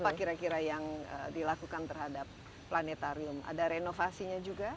apa kira kira yang dilakukan terhadap planetarium ada renovasinya juga